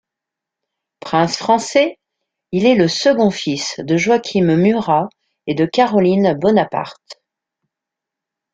Prince français, il est le second fils de Joachim Murat et de Caroline Bonaparte.